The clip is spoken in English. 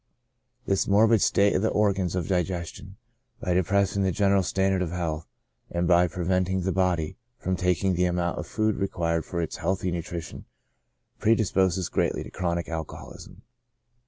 This morbid state of the organs of digestion, by depress ing the general standard of health, and by preventing the body from taking the amount of food required for its healthy nntrition, predisposes greatly to chronic alcoholism.